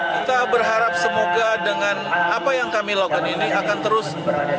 kita berharap semoga dengan apa yang kami lakukan ini akan terus